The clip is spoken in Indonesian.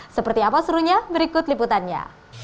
seperti apa serunya berikut liputannya